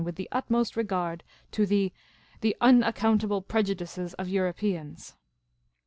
'ith the utmost regard to the — the unac countable prejudices of Europeans."